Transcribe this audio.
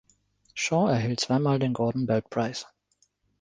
Shaw erhielt zweimal den Gordon Bell Prize.